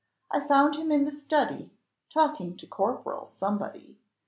I found him in the study, talking to corporal somebody.